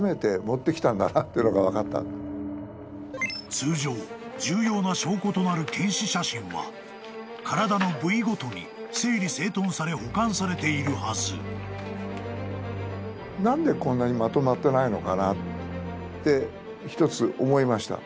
［通常重要な証拠となる検視写真は体の部位ごとに整理整頓され保管されているはず］って一つ思いました。